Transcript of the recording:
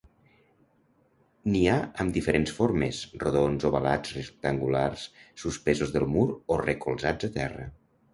N'hi ha amb diferents formes: rodons, ovalats, rectangulars, suspesos del mur o recolzats a terra.